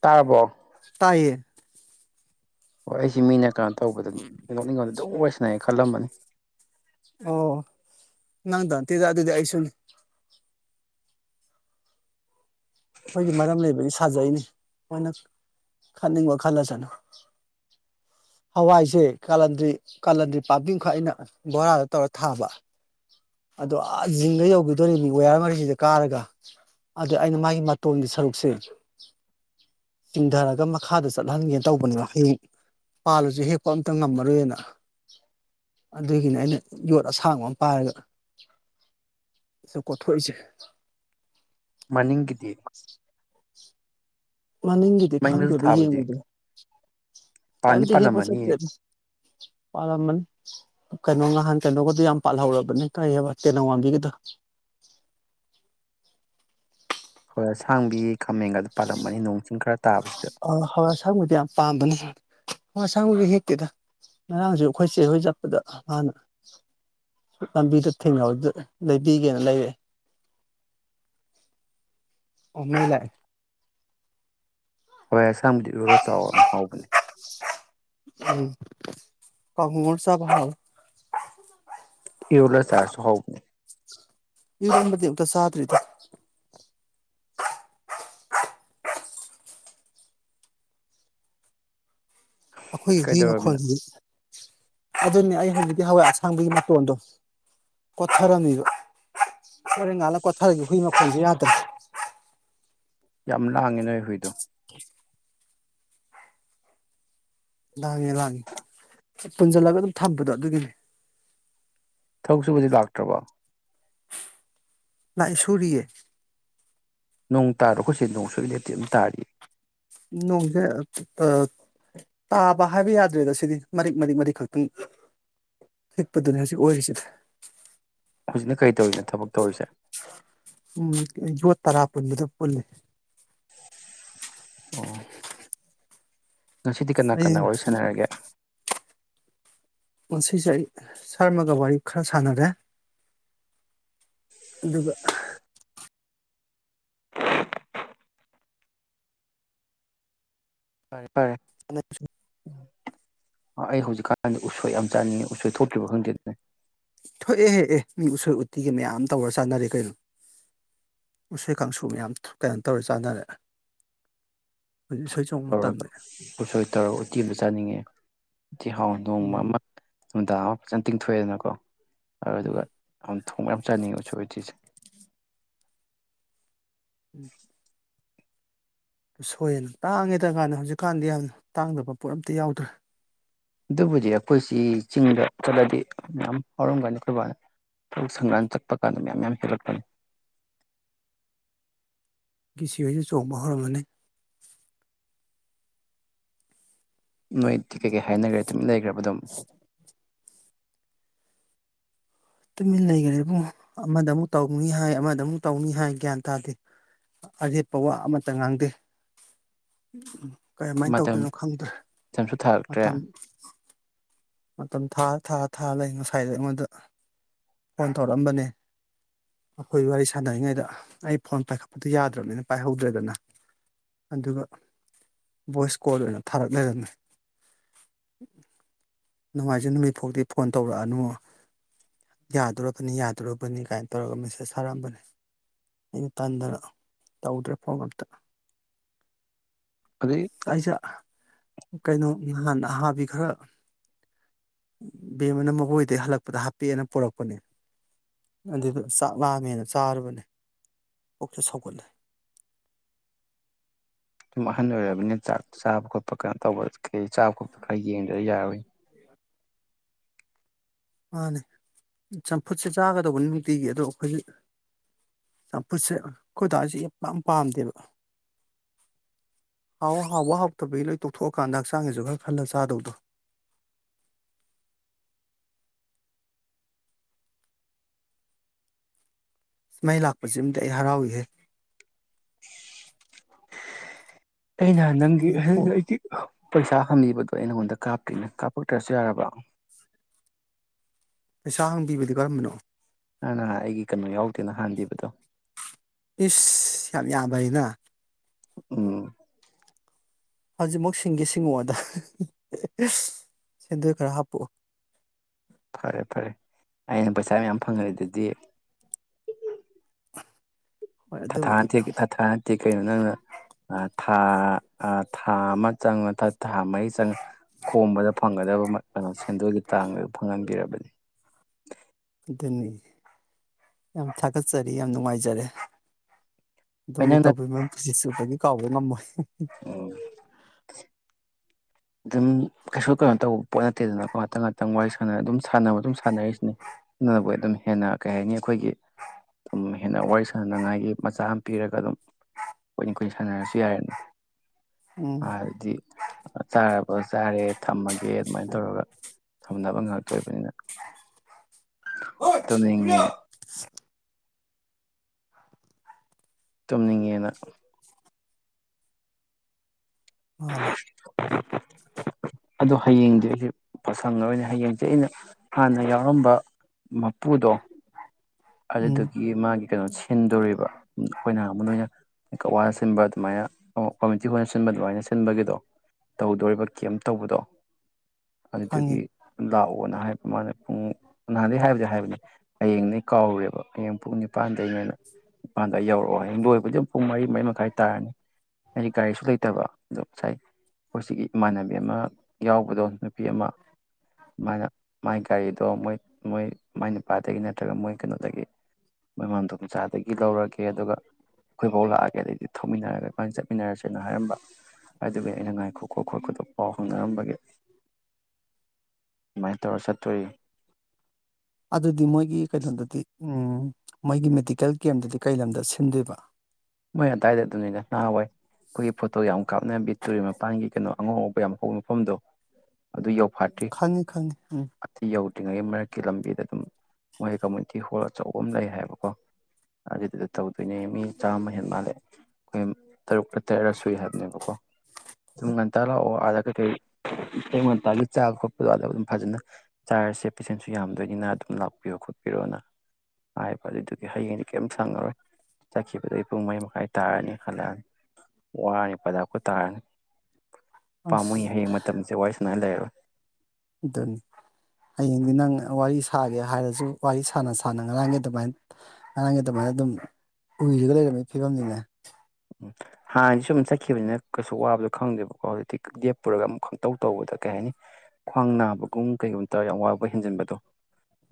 ꯇꯥꯔꯕꯣ ꯇꯥꯏꯌꯦ ꯑꯣ ꯑꯩꯁꯤ ꯃꯤꯅ ꯀꯩꯅꯣ ꯇꯧꯕꯗ ꯅꯤꯡꯉꯣ ꯅꯤꯡꯉꯣꯟꯗ ꯑꯗꯨꯝ ꯋꯥꯏꯁꯂ [unintelligible] ꯈꯜꯂꯝꯕꯅꯤ ꯑꯣ ꯅꯪꯗ ꯇ ꯑꯗꯨꯗꯤ ꯑꯁꯨꯅꯤ ꯑꯩꯈꯣꯏꯒꯤ ꯃꯔꯝ ꯂꯩꯕꯒꯤ ꯁꯥꯖꯩꯅꯤ ꯃꯣꯏꯅ ꯈꯅꯤꯡꯕ ꯈꯜꯂꯁꯅꯨ ꯍꯋꯥꯏꯁꯦ ꯀꯥꯂꯟꯗ꯭ꯔꯤ ꯀꯥꯂꯟꯗ꯭ꯔꯤ ꯄꯥꯝꯕꯤꯡꯈꯛ ꯑꯩꯅ ꯕꯣꯔꯥꯗ ꯇꯧꯔ ꯊꯥꯕ ꯑꯗꯣ ꯑ ꯖꯤꯡꯒ ꯌꯧꯈꯤꯗꯣꯔꯤ ꯃꯤ ꯋꯥꯌꯥꯔ ꯃꯔꯤꯁꯤꯗ ꯀꯥꯔꯒ ꯑꯗ ꯑꯩꯅ ꯃꯥꯒꯤ ꯃꯇꯣꯟꯒꯤ ꯁꯔꯨꯛꯁꯦ ꯆꯤꯡꯙꯔꯒ ꯃꯈꯥꯗ ꯆꯠꯍꯟꯒꯦꯅ ꯇꯧꯕꯅꯤꯕ ꯍꯌꯦꯡ ꯄꯥꯜꯂꯁꯨ ꯍꯦꯛꯄ ꯑꯝꯇ ꯉꯝꯃꯔꯣꯏꯅ ꯑꯗꯨꯒꯤꯅꯤ ꯑꯩꯅ ꯌꯣꯠ ꯑꯁꯥꯡꯕ ꯑꯃ ꯄꯥꯏꯔꯒ ꯁ ꯀꯣꯊꯣꯛꯏꯁꯦ ꯃꯅꯤꯡꯒ ꯗꯤ ꯃꯅꯤꯡꯒꯤꯗꯤ ꯈꯪꯗꯦꯗ ꯊꯥꯕꯗꯤ ꯌꯦꯡꯉꯨꯗꯦ ꯄꯥꯟꯗꯤ ꯀꯏꯝꯇ ꯍꯦꯛꯄ ꯄꯥꯜꯂꯝꯃꯅꯤꯌꯦ ꯆꯠꯇꯦꯗ ꯄꯥꯜꯂꯝꯃꯅꯤ ꯀꯩꯅꯣ ꯅꯍꯥꯟ ꯀꯩꯅꯣꯒꯗ ꯌꯥꯝ ꯄꯥꯜꯍꯧꯔꯕꯅꯦ ꯀꯥꯏꯑꯕ ꯇꯦꯅꯧꯋꯥꯡꯕꯤꯒꯗꯣ ꯍꯣꯏ ꯑꯁꯥꯡꯕꯤ ꯈꯥꯃꯦꯟꯒ ꯑꯗꯨ ꯄꯥꯜꯂꯝꯃꯅꯤ ꯅꯣꯡ ꯆꯤꯡ ꯈꯔ ꯇꯥꯕꯁꯤꯗ ꯑ ꯍꯋꯥꯏꯁꯔꯥꯡꯕꯨꯗꯤ ꯌꯥꯝ ꯄꯥꯝꯕꯅꯤ ꯍꯥꯢ ꯑꯁꯥꯡꯕꯒꯤ ꯍꯦꯛꯇꯦꯗ ꯉꯔꯥꯡꯁꯨ ꯑꯩꯈꯣꯏ ꯆꯦ ꯍꯣꯏ ꯆꯠꯄꯗ ꯃꯥꯅ ꯂꯝꯕꯤꯗ ꯊꯦꯡꯅꯕꯗ ꯂꯩꯕꯤꯒꯦꯅ ꯂꯩꯔꯑꯦ ꯑꯣꯃꯩ ꯂꯥꯛꯑꯦ ꯍꯣꯏ ꯑꯁꯥꯝꯗꯤ ꯂꯣꯔ ꯆꯥꯎ ꯍꯥꯎꯕꯅꯤ ꯎꯝ ꯀꯥꯡꯉꯧ ꯉꯧꯔ ꯆꯥꯕꯗꯤ ꯍꯥꯎꯕꯅꯤ ꯏꯔꯣꯂ ꯆꯥꯔꯁꯨ ꯍꯥꯎꯕꯅꯤ ꯏꯝꯕꯗꯤꯛꯇ ꯆꯥꯗꯔꯤꯗ ꯑꯩꯈꯣꯏꯒꯤ ꯍꯨꯢ ꯀꯩꯗꯧꯔꯝꯃꯤꯅꯣ ꯃꯈꯣꯜꯒꯤ ꯑꯗꯨꯅꯦ ꯑꯩ ꯍꯧꯖꯤꯛꯇꯤ ꯍꯋꯥꯏ ꯑꯁꯥꯡꯕꯒꯤ ꯃꯇꯣꯟꯗꯣ ꯀꯣꯊꯔꯝꯃꯤꯕ ꯍꯣꯔꯦꯟ ꯉꯥꯜꯂ ꯀꯣꯊꯔꯒꯦ ꯍꯨꯏ ꯃꯈꯣꯟꯁꯦ ꯌꯥꯗ꯭ꯔꯦ ꯌꯥꯝ ꯂꯥꯡꯉꯤ ꯅꯣꯏ ꯍꯨꯏꯗꯣ ꯂꯥꯡꯉꯦ ꯂꯥꯡꯉꯤ ꯄꯨꯟꯁꯤꯜꯂꯒ ꯑꯗꯨꯝ ꯊꯝꯕꯗꯣ ꯑꯗꯨꯒꯤꯅꯤ ꯊꯛꯁꯨꯕꯨꯖꯤ ꯂꯥꯛꯇ꯭ꯔꯕꯣ ꯂꯥꯏ ꯁꯨꯔꯤꯌꯦ ꯅꯣꯡ ꯇꯥꯔ ꯑꯩꯈꯣꯢ ꯁꯤꯗꯗꯤ ꯅꯣꯡ ꯁꯨꯛꯂꯦꯞ ꯂꯦꯞꯇꯦ ꯑꯃꯝ ꯇꯥꯔꯤ ꯅꯣꯡꯁꯦ ꯇꯥꯕ ꯍꯥꯏꯕ ꯌꯥꯗ꯭ꯔꯦꯗ ꯁꯤꯗꯤ ꯃꯔꯤꯛ ꯃꯔꯤꯛ ꯃꯔꯤꯛ ꯈꯛꯇꯪ ꯆꯤꯛꯄꯗꯨꯅꯦ ꯍꯧꯖꯤꯛ ꯑꯣꯏꯔꯤꯁꯤꯗ ꯍꯧꯖꯤꯛꯅ ꯀꯔꯤ ꯇꯧꯔꯤꯅꯣ ꯊꯕꯛ ꯇꯧꯔꯤꯁꯦ ꯎꯝ ꯌꯣꯠ ꯇꯔꯥ ꯄꯨꯟꯕꯗ ꯄꯨꯜꯂꯤ ꯑꯣ ꯉꯁꯤꯗꯤ ꯀꯅꯥ ꯀꯅꯥ ꯑꯩ ꯋꯥꯔꯤ ꯁꯥꯟꯅꯔꯒꯦ ꯁꯤꯖꯦ ꯑꯩ ꯁꯥꯔꯃꯒ ꯋꯥꯔꯤ ꯈꯔ ꯁꯥꯟꯅꯔꯦ ꯑꯗꯨꯒ ꯐꯔꯦ [unintelligible] ꯑꯩ ꯍꯧꯖꯤꯛꯀꯥꯟꯗꯤ ꯎꯁꯣꯏ ꯌꯥꯝ ꯆꯥꯅꯤꯡꯉꯤ ꯎꯁꯣꯏ ꯊꯣꯛꯇ꯭ꯔꯤꯕ ꯈꯪꯗꯦꯅꯦ ꯊꯣꯛꯑꯦ ꯑꯦ ꯃꯤ ꯎꯁꯣꯏ ꯎꯠꯇꯤꯒꯤ ꯃꯌꯥꯝ ꯇꯧꯔ ꯆꯥꯅꯔꯦ ꯀꯩꯅꯣ ꯎꯁꯣꯏ ꯀꯥꯡꯁꯨ ꯃꯌꯥꯝ ꯀꯩꯅꯣ ꯇꯧꯔ ꯆꯥꯟꯅꯔꯦ ꯇꯧꯔꯒ ꯎꯁꯣꯏ ꯇꯧꯔꯒ ꯎꯇꯤ ꯑꯝꯇ ꯆꯥꯅꯤꯡꯉꯦ ꯎꯇꯤ ꯍꯥꯎ ꯊꫭꯡꯕ ꯎꯝ ꯑꯃ ꯅꯨꯡꯗꯥꯡ ꯑꯃ ꯐꯖꯅ ꯇꯤꯡꯊꯣꯛꯑꯦꯗꯅꯀꯣ ꯎꯝ ꯑꯗꯨꯗꯨꯒ ꯌꯥꯝ ꯊꯣꯡꯕ ꯌꯥꯝ ꯆꯥꯅꯤꯡꯉꯦ ꯎꯆꯣꯏ ꯎꯇꯤꯁꯦ ꯎꯝ ꯎꯁꯣꯏꯌꯦꯅ ꯇꯥꯡꯉꯦꯗ ꯒꯅ ꯍꯧꯖꯤꯛꯀꯥꯟꯗꯤ ꯌꯥꯝ ꯇꯥꯡꯗꯕ ꯄꯣꯠ ꯑꯝꯇ ꯌꯥꯎꯗ꯭ꯔꯦ ꯑꯗꯨꯕꯨꯗꯤ ꯑꯩꯈꯣꯏꯁꯤ ꯆꯤꯡꯗ ꯆꯠꯂꯗꯤ ꯃꯌꯥꯝ ꯍꯧꯎꯝꯒꯅꯤ ꯑꯈꯣꯏꯕꯥꯅ ꯊꯥꯕꯛ ꯁꯪꯀꯥꯟ ꯆꯠꯄ ꯀꯥꯟꯗ ꯃꯌꯥꯝ ꯃꯔꯥꯝ ꯍꯦꯜꯂꯛꯃꯅꯤ ꯀꯤꯁꯤꯍꯣꯏꯗ ꯆꯣꯡꯕ ꯍꯧꯔꯝꯃꯅꯤ ꯅꯣꯏꯗꯤ ꯀꯩꯀꯩ ꯍꯥꯏꯔꯦ ꯇꯨꯃꯤꯟ ꯂꯩꯈ꯭ꯔꯕ ꯑꯗꯨꯝ ꯇꯨꯃꯤꯟ ꯂꯩꯈ꯭ꯔꯦꯕꯨ ꯑꯃꯗ ꯑꯃꯨꯛ ꯇꯧꯅꯤ ꯍꯥꯏ ꯑꯃꯗ ꯑꯃꯨꯛ ꯇꯧꯅꯤ ꯍꯥꯏ ꯒ꯭ꯌꯥꯟ ꯇꯥꯗꯦ ꯑꯔꯦꯠꯄ ꯋꯥ ꯑꯃꯇ ꯉꯥꯡꯗꯦ ꯀꯝꯃꯥꯏꯅ ꯃꯇꯝ ꯇꯧꯗꯣꯏꯅꯣ ꯈꯪꯗ꯭ꯔꯦ ꯃꯇꯝꯁꯨ ꯊꯥꯔꯛꯇ꯭ꯔꯦ ꯃꯇꯝ ꯃꯇꯝ ꯊꯥ ꯊꯥ ꯊꯥꯔ ꯂꯩ ꯉꯁꯥꯏꯖꯨ ꯑꯩꯉꯣꯟꯗ ꯐꯣꯟ ꯇꯧꯔꯛꯑꯝꯕꯅꯦ ꯑꯈꯣꯏ ꯋꯥꯔꯤ ꯁꯥꯟꯅꯔꯤꯉꯩꯗ ꯑꯩ ꯐꯣꯟ ꯄꯥꯏꯈꯠꯄꯗꫭ ꯌꯥꯗ꯭ꯔꯕꯅꯤꯅ ꯄꯥꯏꯍꯧꯗ꯭ꯔꯦꯗꯅ ꯑꯗꯨꯒ ꯚꯣꯏꯁ ꯀꯣꯜ ꯑꯣꯏꯅ ꯊꯥꯔꯛ ꯂꯩꯔꯝꯃꯦ ꯅꯨꯡꯃꯥꯏꯖꯤꯡꯖꯅꯨꯃꯤꯠ ꯐꯥꯎꯗꯤ ꯐꯣꯟ ꯇꯧꯔꯛꯑꯅꯨ ꯌꯥꯗꯣꯔꯕꯅꯤ ꯌꯥꯗꯣꯔꯕꯅꯤ ꯀꯥꯏꯅ ꯇꯧꯔꯒ ꯃꯦꯁꯦꯖ ꯊꯥꯔꯛꯑꯝꯕꯅꯤ ꯑꯩꯅ ꯇꯟꯗꯅ ꯇꯧꯗ꯭ꯔꯦ ꯐꯣꯟꯒ ꯑꯝꯇ ꯍꯧꯖꯤꯛ ꯑꯩꯁꯦ ꯀꯩꯅꯣ [unintelligible] ꯑꯍꯥꯕꯤ ꯈꯔ ꯕꯦꯝꯃꯅ ꯃꯥꯕꫭꯛ ꯍꫭꯏꯗꯩ ꯍꯜꯂꯛꯄꯗ ꯍꯥꯞꯄꯦꯑꯦꯅ ꯄꯣꯔꯛꯄꯅꯦ ꯑꯗꯨꯗ ꯆꯥꯛ ꯂꯥꯝꯃꯦꯅ ꯆꯥꯔꯨꯕꯅꯦ ꯄꯨꯛꯁꯨ ꯁꯧꯒꯠꯂꯦ ꯑꯍꯜ ꯑꯣꯏꯔꯕꯅꯤꯅ ꯆꯥꯛ ꯆꯥꯕ ꯈꯣꯠꯄ ꯀꯩꯅꯣ ꯇꯧꯕꯀꯩꯀꯩ ꯆꯥꯕ ꯈꯣꯠꯄ ꯈꯔ ꯌꯦꯡꯗꯗꯤ ꯌꯥꯔꯔꫭꯏ ꯃꯥꯅꯦ ꯆꯝꯐꯨꯠꯁꯦ ꯆꯥꯒꯗꯧꯕꯅꯦ ꯅꯨꯡꯇꯤꯒꯤ ꯑꯗꯣ ꯑꯈꯣꯏꯁꯦ ꯆꯝꯐꯨꯠꯁꯦ ꯑꯈꫭꯏꯗꯁꯦ ꯌꯥꯝ ꯄꯛ ꯄꯥꯝꯗꯦꯕ ꯍꯥꯎꯕ ꯍꯥꯎꯕ ꯍꯥꯎꯇꯕꯒꯤ ꯂꯣꯏ ꯇꯣꯛꯊꯣꯛꯑꯀꯥꯟꯗ ꯍꯛꯆꯥꯡꯒꯤꯁꯨ ꯈꯔ ꯈꯜꯂ ꯆꯥꯗꯧꯗꯣ ꯃꯩꯏ ꯂꯥꯛꯄꯖꯤꯑꯝꯗꯤ ꯑꯩ ꯍꯔꯥꯎꯏꯍꯦ ꯑꯩꯅ ꯅꯪꯒꯤ ꯎꯝ ꯐꯣ ꯑꯩꯗꯤ ꯄꯩꯁꯥ ꯍꯝꯕꯤꯕꯗꯣ ꯑꯩ ꯅꯪꯉꯣꯟꯗ ꯀꯥꯞꯇ꯭ꯔꯤꯅꯦ ꯀꯥꯞꯄꯛꯇ꯭ꯔꯁꯨ ꯌꯥꯔꯕ꯭ꯔꯥ ꯄꯩꯁꯥ ꯍꯥꯡꯕꯤꯕꯗꯤ ꯀꯔꯝꯕꯅꯣ ꯅꯪ ꯅ ꯑꯩꯒꯤ ꯀꯩꯅꯣ ꯌꯥꯎꯗꯦꯅ ꯍꯥꯟꯕꯤꯕꯗꯣ ꯏꯁ ꯌꯥꯝ ꯌꯥꯝꯕ ꯅꯤꯅ ꯎꯝ ꯍꯧꯖꯤꯛꯃꯛ ꯁꯤꯡꯒꯦ ꯁꯤꯡꯉꯛ ꯑꫭꯗ ꯁꯦꯟꯗꯣꯏ ꯈꯔ ꯍꯥꯞꯄꯣꯛꯎ ꯐꯔꯦ ꯐꯔꯦ ꯑꯩꯅ ꯄꯩꯁꯥ ꯃꯌꯥꯝ ꯐꯪꯉꯜꯂꯤꯗꯨꯗꯤ ꯍꯣꯏ ꯊꯥ ꯊꯥ ꯑꯗꯨꯕꯨꯗꯤ ꯊꯅꯠꯇꯦ ꯊꯥ ꯊꯥ ꯅꯠꯇꯦ ꯀꯩꯅꯣ ꯅꯪꯅ ꯊꯥ ꯊꯥ ꯑꯃ ꯆꯪ ꯅ ꯊꯥ ꯃꯔꯤ ꯆꯪꯉ ꯈꯣꯝꯕꯗ ꯐꯪꯒꯗꯕ ꯀꯩꯅꯣ ꯁꯦꯟꯗꯜꯒꯤ ꯆꯥꯡꯗꯨ ꯐꯪꯍꯟꯕꯤꯔꯕꯅꯤ ꯑꯗꯨꯅꯤ ꯌꯥꯝ ꯊꯥꯒꯠꯆꯔꯤ ꯌꯥꯝ ꯅꯨꯡꯉꯥꯏꯖꯔꯦ ꯍꯣꯏ ꯑꯗꫭꯝꯒꯤ ꯅꯪꯅ ꯇꯧꯕꯤꯃꯜ ꯄꯨꯁꯤꯁꯤꯃꯥ ꯍꯥꯏꯗꯤ ꯀꯥꯎꯕ ꯉꯝꯄꫭꯏ [inaudible] ꯑꯗꯨꯝ ꯀꯩꯁꯨ ꯀꯩꯅꯣ ꯇꯧꯕ ꯄꯣꯠ ꯅꯠꯇꯦꯗꯅꯀꯣ ꯉꯥꯛꯇꯪ ꯉꯥꯛꯇꯪ ꯋꯥꯔꯤ ꯁꯥꯟꯅꯔ ꯑꯗꯨꯝ ꯁꯥꯟꯅꯕ ꯑꯗꯨꯝ ꯁꯥꯟꯅꯔꯛꯔꯤꯁꯤꯅꯦ ꯁꯅꯕꯣꯏ ꯑꯗꯨꯅꯤ ꯍꯦꯟꯅ ꯀꯩ ꯍꯥꯏꯅꯤ ꯑꯩꯈꯣꯏꯒꯤ ꯑꯗꯨꯝ ꯍꯦꯟꯅ ꯋꯥꯔꯤ ꯁꯥꯟꯅꯅꯉꯥꯏꯒꯤ ꯃꯆꯥꯛ ꯑꯃ ꯄꯤꯔꯒ ꯑꯗꯨꯝ ꯀꯨꯏꯅ ꯀꯨꯏꯅ ꯁꯥꯟꯅꯔꯁꯨ ꯌꯥꯔꯦꯅ ꯎꯝ ꯑꯗꯤ ꯆꯥꯔꯕ ꯆꯥꯔꯦ ꯊꯝꯃꯒꯦ ꯑꯗꯨꯃꯥꯏꯅ ꯇꯧꯔꯒ ꯊꯝꯅꯕ ꯉꯥꯛꯇꯣꯏꯕꯅꯤꯅ ꯍꯣꯏ ꯌꯨꯝꯂꯣ ꯇꯅꯤꯡꯉꯦ ꯆꯨꯝꯅꯤꯡꯉꯦꯅ ꯃꯥꯅꯦ ꯑꯗꯨꯣ ꯍꯌꯦꯡꯗꯤ ꯑꯩꯁꯦ ꯄꯁꯪ ꯑꯣꯏꯅ ꯍꯌꯦꯡꯁꯦ ꯑꯩꯅ ꯍꯥꯟꯅ ꯌꯥꯎꯔꯝꯕ ꯃꯄꯨꯗꯣ ꯎꯝ ꯑꯗꯨꯗꯒꯤ ꯃꯥꯒꯤ ꯀꯩꯅ ꯍꯤꯟꯗꯣꯔꯤꯕ ꯑꯩꯈꯣꯏꯅ ꯑꯃ ꯑꯣꯏꯅ ꯀꯋꯥꯅ ꯁꯤꯟꯕ ꯑꯗꯨꯃꯥꯏꯅ ꯀꯝꯃꯨꯇꯤ ꯍꯣꯜꯅ ꯁꯤꯟꯕ ꯑꯗꯨꯃꯥꯏꯅ ꯁꯤ ꯁꯤꯤꯟꯕꯒꯤꯗꯣ ꯇꯧꯗꯣꯔꯤꯕ ꯀꯦꯝ ꯇꯧꯕꯗꯣ ꯈꯪꯉꯤ ꯑꯗꯨꯠꯇꯒꯤ ꯂꯑꯣ ꯅ ꯍꯥꯏꯕ ꯃꯥꯅ ꯄꯨꯡ ꯅꯍꯥꯟꯗꯩꯩ ꯍꯥꯏꯕꯗꯤ ꯍꯥꯏꯕꯅꯤ ꯍꯌꯦꯡꯅꯤ ꯀꯥꯎꯔꯨꯔꯦꯕ ꯍꯌꯦꯡ ꯄꯨꯡ ꯅꯤꯄꯥꯟ ꯏꯄꯥꯟꯗꯒꯤꯅꯅ ꯅꯤꯄꯥꯟꯗ ꯌꯧꯔꯛꯦ ꯑꯣ ꯍꯌꯦꯡ ꯂꯣꯏꯕꯗꯤ ꯑꯗꯨꯝ ꯄꯨꯡ ꯃꯔꯤ ꯃꯔꯤ ꯃꯈꯥꯏ ꯇꯥꯔꯅꯤ ꯑꯩꯗꯤ ꯒꯥꯔꯤꯁꯨ ꯂꯩꯇꯕ ꯑꯗꯣ ꯉꯁꯥꯏ ꯑꯩꯈꯣꯏ ꯁꯤꯒꯤ ꯏꯃꯥꯟꯅꯕꯤ ꯑꯃ ꯌꯥꯎꯕꯗꯣ ꯅꯨꯄꯤ ꯑꯃ ꯃꯥꯅ ꯃꯥꯏ ꯒꯥꯔꯤꯗꯣ ꯃꯣꯏ ꯃꯣꯏ ꯃꯥꯏ ꯅꯨꯄꯥꯗꯒꯤ ꯅꯠꯇ꯭ꯔꯒ ꯃꯣꯏ ꯀꯩꯅꯣꯗꯒꯤ ꯃꯣꯏ ꯃꯗꯣꯝꯆꯥꯗꯒꯤ ꯂꯧꯔꯒꯦ ꯑꯗꯨꯒ ꯑꯩꯈꯣꯏꯐꯥꯎ ꯂꯥꯛꯑꯒꯦ ꯑꯗꯩꯗꯤ ꯊꯧꯃꯤꯟꯅꯔꯒ ꯑꯩꯃꯥꯏꯅ ꯆꯠꯃꯤꯟꯅꯔꯁꯦꯅ ꯍꯥꯏꯔꯝꯕ ꯎ ꯑꯩꯅꯉꯥꯏꯈꯣꯀꯣ ꯈꯣꯠꯀꯣ ꯄꯥꯎ ꯍꯪꯅꯔꯝꯕꯒꯦ ꯑꯗꯨꯃꯥꯏꯅ ꯇꯧꯔ ꯆꯠꯇꯣꯔꯤ ꯑꯗꯨꯗꯤ ꯃꯣꯏꯒꯤ ꯀꯩꯅꯣꯗꯗꯤ ꯎꯝ ꯃꯣꯏꯒꯤ ꯃꯦꯗꯤꯀꯦꯜ ꯀꯦꯝꯗꯨꯗꯤ ꯀꯩ ꯂꯝꯗ ꯁꯤꯟꯗꯣꯏꯕ ꯀꯣꯏ ꯐꯣꯠꯇꯣ ꯌꯥꯎ ꯀꯥꯞꯅꯕꯤ ꯇꯨꯔꯦꯜ ꯃꯄꯥꯟꯒꯤ ꯀꯩꯅꯣ ꯑꯉꯧ ꯉꯧꯕ ꯌꯥꯝ ꯍꯧꯋꯤ ꯃꯐꯝꯗꯣ ꯑꯗꯨ ꯌꯧ ꯈꯪꯉꯤ ꯈꯪꯉꯤ ꯎꯝ ꯍꯧꯇ꯭ꯔꯤꯉꯩꯒꯤ ꯃꯔꯛꯀꯤ ꯂꯝꯕꯤꯗ ꯑꯗꯨꯝ ꯃꯣꯏ ꯀꯝꯃꯨꯅꯤꯇꯤ ꯍꯣꯜ ꯑꯆꯧꯕ ꯑꯃ ꯂꯩ ꯍꯥꯏꯕꯀꯣ ꯑꯗꯨꯗꯨꯗ ꯇꯧꯗꯣꯏꯅꯦ ꯃꯤ ꯆꯥꯝꯃ ꯍꯦꯟ ꯃꯥꯜꯂꯦ ꯑꯩꯈꯣꯏ ꯇꯔꯨꯛꯀ ꯇꯔꯦꯠꯂ ꯁꯨꯏ ꯍꯥꯏꯕꯅꯦꯕꯀꯣ ꯑꯗꯨꯝ ꯉꯟꯇꯥ ꯂꯥꯛꯑꯣ ꯑꯥꯗ ꯀꯩꯀꯩ ꯇꯌꯨꯛ ꯉꯟꯇꯥꯒꯤ ꯆꯥꯕ ꯈꯣꯠꯄꯗꯣ ꯑꯥꯗ ꯑꯗꯨꯝ ꯐꯖꯅ ꯆꯥꯔꯁꯦ ꯄꯦꯁꯦꯟꯁꯨ ꯌꯥꯝꯗꯣꯏꯅꯤꯅ ꯑꯗꯨꯝ ꯂꯥꯛꯄꯤꯔꯣ ꯈꯣꯠꯄꯤꯔꯣꯅ ꯍꯥꯏꯕ ꯑꯗꯨꯏꯗꯨꯒꯤ ꯍꯌꯦꯡꯗꯤ ꯀꯩꯝꯇ ꯁꯪꯉꯔꯣꯏ ꯆꯥꯈꯤꯕ ꯑꯗꯨꯩ ꯄꯨꯡ ꯃꯔꯤ ꯃꯈꯥꯏ ꯇꯥꯔꯅꯤ ꯍꯜꯂꯛꯅꯤ ꯋꯥꯔꯅꯤ ꯄꯗꯥꯛꯄꯨ ꯇꯥꯔꯅꯤ ꯄꯥꯝꯃꯨꯏ ꯑꯁ ꯍꯌꯦꯡ ꯃꯇꯝꯁꯦ ꯋꯥꯔꯤ ꯁꯅ ꯂꯩꯔꯔꯣꯏ ꯑꯗꯨꯅꯤ ꯍꯌꯦꯡꯗꯤ ꯅꯪ ꯋꯥꯔꯤ ꯁꯥꯒꯦ ꯍꯥꯏꯔꯁꯨ ꯋꯥꯔꯤ ꯁꯥꯥꯟꯅ ꯁꯥꯥꯟꯅ ꯉꯔꯥꯡꯒꯤ ꯑꯗꯨꯃꯥꯏꯅ ꯉꯔꯥꯡꯒꯤ ꯑꯗꯨꯃꯥꯏꯅ ꯑꯗꯨꯝ ꯎꯏꯔꯒ ꯂꯩꯔꯝꯃꯤ ꯐꯤꯕꯝꯅꯤꯅꯦ ꯎ ꯍꯥꯟ ꯁꯨꯝ ꯆꯈꯤꯕꯅꯤꯅ ꯀꯩꯁꯨ ꯋꯥꯕꯗꯣ ꯈꯪꯗꯦꯕꯀꯣ ꯍꯧꯖꯤꯛꯇꯤ ꯂꯦꯞꯄꯨꯔꯒ ꯑꯃꯨꯛ ꯈꯪꯇꯧ ꯇꯧꯕꯗ ꯀꯩ ꯍꯥꯏꯅꯤ ꯈ꯭ꯋꯥꯡ ꯅꯥꯕꯒꯨꯝ ꯀꯩꯒꯨꯝꯕ ꯇꯧꯔꯒ ꯌꯥꯝ ꯋꯥꯕ ꯍꯦꯟꯖꯤꯟꯕꯗꯣ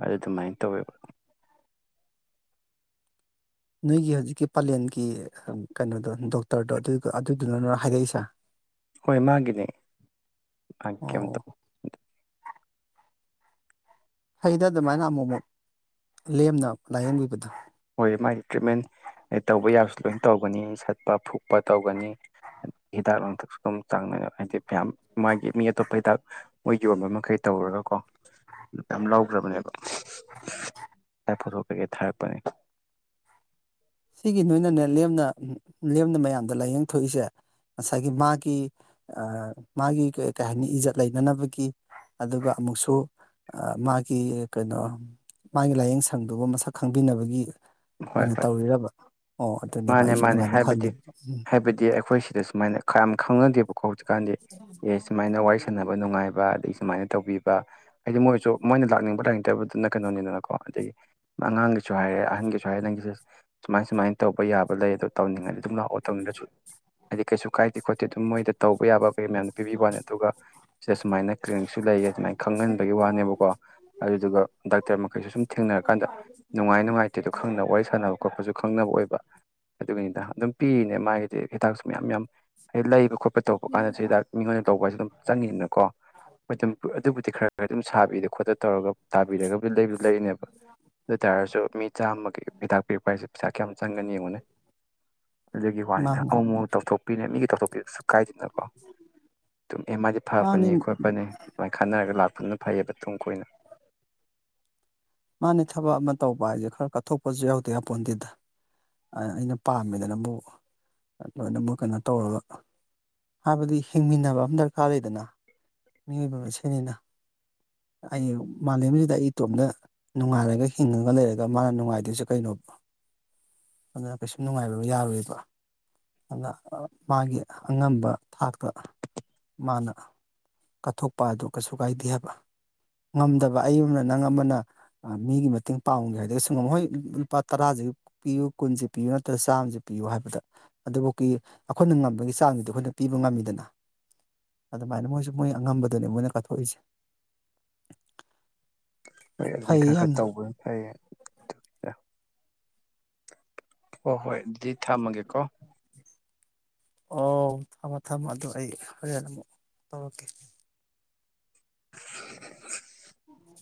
ꯑꯗꯨ ꯑꯗꯨꯃꯥꯏꯅ ꯇꯧꯋꯦꯕ ꯅꯣꯏꯒꯤ ꯍꯧꯖꯤꯛꯀꯤ ꯄꯂꯦꯟꯒꯤ ꯀꯩꯅꯣꯗꯣ ꯗꯣꯛꯇꯔꯗꯣ ꯑꯗꯨ ꯑꯗꯨꯗꯨꯅ ꯅꯔꯣ ꯍꯥꯏꯔꯛꯏꯁꯦ ꯍꯣꯏ ꯃꯥꯒꯤꯅꯦ ꯃꯥ ꯀꯩꯝ ꯑꯣ ꯇꯧ ꯐꯩꯗ ꯑꯗꯨꯃꯥꯏꯅ ꯑꯃꯨꯃꯨꯛ ꯂꯦꯝꯅ ꯂꯥꯌꯦꯡꯕꯤꯕꯗꯣ ꯍꯣꯏ ꯃꯥꯒꯤ ꯇ꯭ꯔꯤꯠꯃꯦꯟ ꯇꯧꯕ ꯌꯥꯕꯁꯨ ꯂꯣꯏ ꯇꯧꯒꯅꯤ ꯁꯠꯄ ꯐꯨꯛꯄ ꯇꯧꯒꯅꯤ ꯍꯤꯗꯥꯛ ꯂꯥꯡꯊꯛꯁꯨ ꯑꯗꯨꯝ ꯆꯥꯡꯅ ꯍꯥꯏꯗꯤ ꯃꯌꯥꯝ ꯃꯥꯒꯤ ꯃꯤ ꯑꯇꯣꯞꯄ ꯍꯤꯗꯥꯛ ꯃꯣꯏꯒꯤ ꯌꯣꯟꯕ ꯃꯈꯩ ꯇꯧꯔꯒꯀꯣ ꯃꯌꯥꯝ ꯂꯧꯈ꯭ꯔꯕꯅꯦꯕ ꯐꯣꯊꯣ ꯀꯩꯀꯩ ꯊꯥꯔꯛꯄꯅꯦ ꯁꯤꯒꯤ ꯅꯣꯏꯅꯅꯦ ꯂꯦꯝꯅ ꯂꯦꯝꯅ ꯃꯌꯥꯝꯗ ꯂꯥꯏꯌꯦꯡ ꯊꯣꯛꯏꯁꯦ ꯉꯁꯥꯏꯒꯤ ꯃꯥꯒꯤ ꯃꯥꯒꯤ ꯀꯩ ꯍꯥꯏꯅꯤ ꯏꯖꯠ ꯂꯩꯅꯅꯕꯒꯤ ꯑꯗꯨꯒ ꯑꯃꯨꯛꯁꯨ ꯃꯥꯒꯤ ꯀꯩꯅꯣ ꯃꯥꯒꯤ ꯂꯥꯏꯌꯦꯡ ꯁꯪꯗꯨꯕꯨ ꯃꯁꯛ ꯈꯪꯕꯤꯅꯕꯒꯤ ꯍꯣꯏ ꯍꯣꯏ ꯑꯣꯏꯅ ꯇꯧꯋꯤꯔꯕ ꯃꯥꯅꯦ ꯃꯥꯅꯦ ꯍꯥꯏꯕꯗꯤ ꯎꯝ ꯍꯥꯏꯕꯗꯤ ꯑꯩꯈꯣꯏ ꯁꯤꯗ ꯁꯨꯃꯥꯏꯅ ꯀꯌꯥꯝ ꯈꯪꯅꯗꯦꯕꯀꯣ ꯀꯥꯟꯗꯤ ꯑꯦ ꯁꯨꯃꯥꯏꯅ ꯋꯥꯔꯤ ꯁꯥꯟꯅꯕ ꯅꯨꯡꯉꯥꯏꯕ ꯑꯗꯒꯤ ꯁꯨꯃꯥꯏꯅ ꯇꯧꯕꯤꯕ ꯍꯥꯏꯗꯤ ꯃꯣꯏꯁꯨ ꯃꯣꯏꯅ ꯂꯥꯛꯅꯤꯡꯕ ꯇꯥꯛꯅꯤꯡꯗꯕꯗꯨꯅ ꯀꯩꯅꯣꯅꯤꯗꯅꯀꯣ ꯑꯗꯒꯤ ꯑꯉꯥꯡꯒꯤꯁꯨ ꯍꯥꯏꯔꯦ ꯑꯍꯟꯒꯤꯁꯨ ꯁꯥꯏ ꯅꯪꯒꯤꯁꯦ ꯁꯨꯃꯥꯏ ꯁꯨꯃꯥꯏꯅ ꯇꯧꯕ ꯌꯥꯕ ꯂꯩ ꯑꯗꯣ ꯇꯧꯅꯤꯡꯉꯥꯏꯗꯤ ꯑꯗꯨꯝ ꯂꯥꯛꯑꯣ ꯇꯧꯅꯤꯡꯔꯁꯨ ꯍꯥꯏꯗꯤ ꯀꯩꯁꯨ ꯀꯥꯏꯗꯦ ꯈꯣꯠꯇꯦ ꯑꯗꯨꯝ ꯃꯣꯏꯗ ꯇꯧꯕ ꯌꯥꯕ ꯀꯩ ꯃꯌꯥꯝꯗ ꯄꯤꯕꯤꯕ ꯋꯥꯅꯤ ꯑꯗꯨꯒ ꯁꯤꯗ ꯁꯨꯃꯥꯏꯅ ꯀ꯭ꯂꯤꯅꯤꯛꯁꯨ ꯂꯩꯌꯦ ꯁꯨꯃꯥꯏꯅ ꯈꯪꯍꯟꯕꯒꯤ ꯋꯥꯅꯦꯕꯀꯣ ꯑꯗꯨꯗꯨꯒ ꯗꯥꯛꯇꯔ ꯃꯈꯩꯁꯨ ꯁꯨꯝ ꯊꯦꯡꯅꯔꯀꯥꯟꯗ ꯅꯨꯡꯉꯥꯏ ꯅꯨꯡꯉꯥꯏꯇꯦꯗꯣ ꯋꯥꯔꯤ ꯁꯥꯟꯅꯕ ꯈꯣꯠꯄꯁꯨ ꯈꯪꯅꯕ ꯑꯣꯏꯕ ꯑꯗꯨꯒꯤꯅꯤꯅ ꯑꯗꯨꯝ ꯄꯤꯔꯤꯅꯦ ꯃꯥꯒꯤꯗꯤ ꯍꯤꯗꯥꯛꯁꯨ ꯃꯌꯥꯝ ꯌꯥꯝ ꯍꯥꯏꯗꯤ ꯂꯩꯕ ꯈꯣꯠꯄ ꯄ ꯇꯧꯔꯛ ꯀꯥꯟꯗꯁꯨꯗꯥ ꯃꯤꯉꯣꯟ ꯑꯣꯏꯅ ꯇꯧꯕꯁꯦ ꯑꯗꯨꯝ ꯆꯪꯉꯤꯗꯅꯀꯣ ꯑꯗꯨꯝ ꯑꯗꯨꯕꯨꯗꯤ ꯈꯔ ꯈ ꯑꯗꯨꯝ ꯁꯥꯕꯤꯗꯣ ꯈꯣꯠꯇ ꯇꯧꯔꯒ ꯇꯥꯕꯤꯔꯒ ꯂꯩꯕꯁꯨ ꯂꯩꯔꯤꯅꯦꯕ ꯑꯗꯨ ꯑꯣꯏꯇꯥꯔꯁꯨ ꯃꯤ ꯑꯃꯒꯤ ꯍꯤꯗꯥꯛ ꯄꯤꯔꯛꯄ ꯍꯥꯏꯁꯦ ꯄꯩꯁꯥ ꯀꯌꯥꯝ ꯆꯪꯒꯅꯤ ꯌꯦꯡꯉꯣꯟꯅꯦ ꯑꯗꯨꯒꯤ ꯋꯥꯅꯤꯗ ꯃꯥꯅꯦ ꯑꯃꯨꯃꯨꯛ ꯇꯧꯊꯣꯛꯄꯤꯅꯦ ꯃꯤꯒꯤ ꯇꯧꯊꯣꯛꯄꯤꯕꯁꯨ ꯀꯥꯏꯗꯅꯀꯣ ꯑꯗꯨꯝ ꯑꯦ ꯃꯥꯏꯗꯤ ꯃꯥꯅꯤ ꯐꯔꯛꯄꯅꯤ ꯈꯣꯠꯄꯅꯦ ꯑꯗꯨꯃꯥꯏꯅ ꯈꯟꯅꯔꯒ ꯂꯥꯛꯄꯅꯤ ꯐꯩꯌꯦꯕ ꯇꯨꯡ ꯀꯣꯏꯅ ꯃꯥꯅꯦ ꯊꯕꯛ ꯑꯃ ꯇꯧꯕ ꯍꯥꯏꯁꯦ ꯈꯔ ꯀꯠꯊꯣꯛꯄꯁꯨ ꯌꯥꯎꯗ ꯌꯥꯄꯣꯟꯇꯦꯗ ꯑꯩꯅ ꯄꯥꯝꯃꯦꯗꯅꯕꯨ ꯂꯣꯏꯅꯃꯛ ꯀꯩꯅꯣ ꯇꯧꯔꯒ ꯍꯥꯏꯕꯗꯤ ꯍꯤꯡꯃꯤꯟꯅꯕ ꯑꯃ ꯗꯔꯀꯥꯔ ꯂꯩꯗꯅ ꯃꯤꯑꯣꯏꯕ ꯃꯁꯦꯟꯅꯤꯅ ꯑꯩ ꯃꯥꯂꯦꯝꯁꯤꯗ ꯑꯩ ꯏꯇꯣꯝꯗ ꯅꯨꯡꯉꯥꯏꯔꯒ ꯍꯤꯡꯉꯒ ꯂꯩꯔꯒ ꯃꯥꯅ ꯅꯨꯡꯉꯥꯏꯗꯣꯏꯁꯦ ꯀꯩꯅꯣꯕ ꯑꯗꯨꯅ ꯀꯩꯁꯨꯝ ꯅꯨꯡꯉꯥꯏꯕ ꯌꯥꯔꯣꯏꯕ ꯑꯗꯨꯅ ꯃꯥꯒꯤ ꯑꯉꯝꯕ ꯊꯥꯛꯇ ꯃꯥꯅ ꯀꯠꯊꯣꯛꯄꯗꯨ ꯀꯩꯁꯨ ꯀꯥꯏꯗꯦ ꯍꯥꯏꯕ ꯉꯝꯗꯕ ꯑꯩ ꯑꯃꯅ ꯅꯪ ꯑꯃꯅ ꯃꯤꯒꯤ ꯃꯇꯦꯡ ꯄꯥꯡꯉꯨꯒꯦ ꯍꯥꯏꯔꯒ ꯁ ꯉꯝ ꯍꯣꯏ ꯂꯨꯄꯥ ꯇꯔꯥꯥꯁꯦ ꯄꯤꯌꯨ ꯀꯨꯟꯁꯦ ꯄꯤꯌꯨ ꯅꯠꯇ꯭ꯔꯒ ꯆꯥꯝꯃꯁ ꯄꯤꯌꯨ ꯍꯥꯏꯕꯗ ꯑꯗꯨꯐꯥꯎꯒꯤ ꯑꯩꯈꯣꯏꯅ ꯉꯝꯕꯒꯤ ꯆꯥꯡꯗꯨꯗꯤ ꯑꯩꯈꯣꯏꯅ ꯄꯤꯕ ꯉꯝꯃꯤꯗꯅ ꯑꯗꯨꯃꯥꯏꯅ ꯃꯣꯏꯁꯨ ꯃꯣꯏ ꯑꯉꯝꯕꯗꯨꯅꯦ ꯃꯣꯏꯅ ꯀꯠꯊꯣꯛꯏꯁꯦ ꯍꯣꯏ ꯑꯗꯨꯅꯤ ꯐꯩ ꯈꯔ ꯈꯔ ꯌꯥꯝꯅ ꯇꯧꯕ ꯐꯩꯌꯦ ꯑꯗꯨ ꯍꯣ ꯍꯣꯏ ꯑꯗꯨꯗꯤ ꯊꯝꯃꯒꯦꯀꯣ ꯑꯣ ꯊꯝꯃꯣ ꯊꯝꯃꯣ ꯑꯗꯨ ꯑꯩ ꯍꯣꯔꯦꯟ ꯑꯃꯨꯛ ꯇꯧꯔꯛꯀꯦ [inaudible] ꯎ